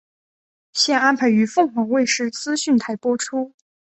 现安排于凤凰卫视资讯台播出。